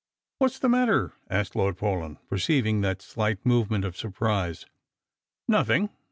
" What's the matter ?" asked Lord Paulyn, perceiving that slight movement of surprise. " Nothing.